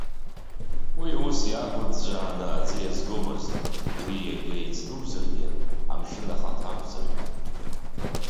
Уи ус иаақәыӡәӡәаны аӡы иазгомызт, уи иага иӡ дузаргьы, амшын ахаҭа акәзаргьы.